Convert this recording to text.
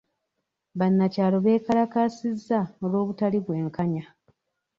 Bannakyalo beekalakaasizza olw'obutali bwenkanya.